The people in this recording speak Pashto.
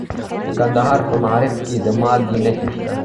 د کندهار په معروف کې د مالګې نښې شته.